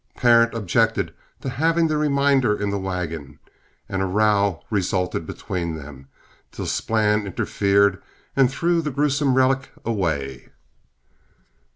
Parent objected to having the reminder in the wagon, and a row resulted between them, till Splann interfered and threw the gruesome relic away.